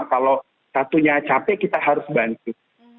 kalau satunya capek kita harus bantu